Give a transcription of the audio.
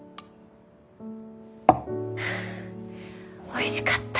おいしかった。